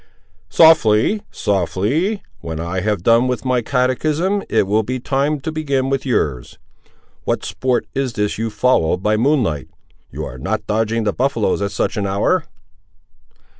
"Softly, softly; when I have done with my catechism, it will be time to begin with yours. What sport is this, you follow by moonlight? You are not dodging the buffaloes at such an hour!"